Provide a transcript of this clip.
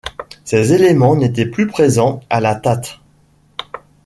Ces éléments n'étaient plus présents à la Tate.